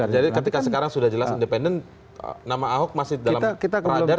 jadi ketika sekarang sudah jelas independen nama ahok masih dalam radar tidak